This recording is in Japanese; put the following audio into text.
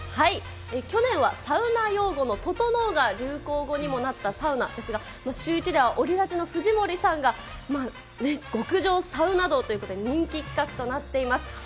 去年はサウナ用語のととのうが流行語にもなったサウナですが、シューイチではオリラジの藤森さんが、極上サウナ道ということで、人気企画となっています。